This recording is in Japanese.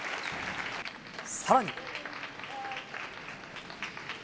さらに。